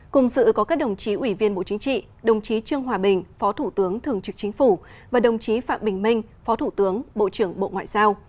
cùng sự có các đồng chí ủy viên bộ chính trị đồng chí trương hòa bình phó thủ tướng thường trực chính phủ và đồng chí phạm bình minh phó thủ tướng bộ trưởng bộ ngoại giao